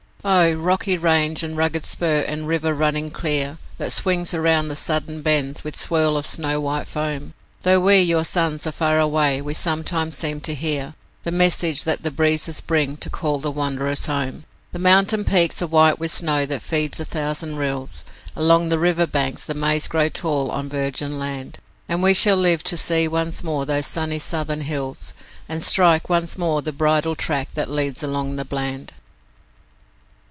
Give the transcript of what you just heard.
Oh! rocky range and rugged spur and river running clear, That swings around the sudden bends with swirl of snow white foam, Though we, your sons, are far away, we sometimes seem to hear The message that the breezes bring to call the wanderers home. The mountain peaks are white with snow that feeds a thousand rills, Along the river banks the maize grows tall on virgin land, And we shall live to see once more those sunny southern hills, And strike once more the bridle track that leads along the Bland.